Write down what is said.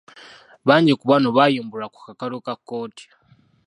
Bangi ku bano baayimbulwa ku kakalu ka kkooti.